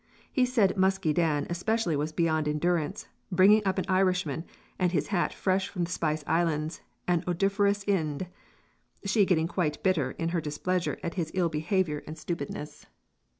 He said Musky Dan especially was beyond endurance, bringing up an Irishman and his hat fresh from the Spice Islands and odoriferous Ind; she getting quite bitter in her displeasure at his ill behavior and stupidness.